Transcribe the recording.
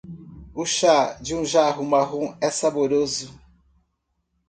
O chá de um jarro marrom é saboroso.